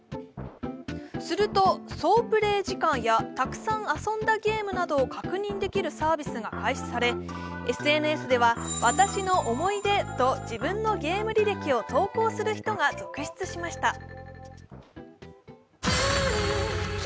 すると、総プレー時間やたくさん遊んだゲームなどを確認できるサービスが開始され、ＳＮＳでは、「わたしの思い出」と自分のゲーム履歴を投稿する人が続出しました。